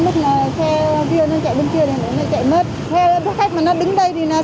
thì là có mức